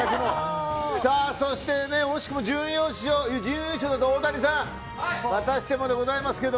そして惜しくも準優勝だった大谷さんまたしてもでございますけど。